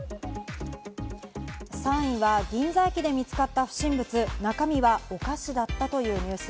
３位は銀座駅で見つかった不審物、中身はお菓子だったというニュース。